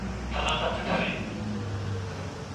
له خپلو خلکو څخه پټیږي